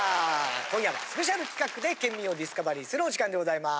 今夜はスペシャル企画でケンミンをディスカバリーするお時間でございます。